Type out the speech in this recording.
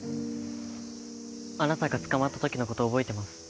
あなたが捕まったときのこと覚えてます。